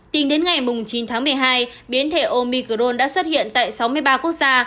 tính đến ngày chín tháng một mươi hai biến thể omicron đã xuất hiện tại sáu mươi ba quốc gia